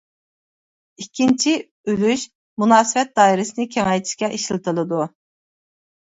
ئىككىنچى ئۈلۈش، مۇناسىۋەت دائىرىسىنى كېڭەيتىشكە ئىشلىتىلىدۇ.